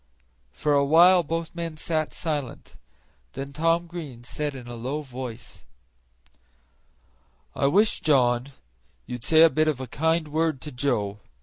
For awhile both men sat silent, and then Tom Green said in a low voice: "I wish, John, you'd say a bit of a kind word to Joe.